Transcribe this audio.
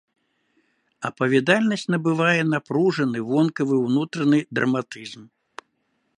Апавядальнасць набывае напружаны вонкавы і ўнутраны драматызм.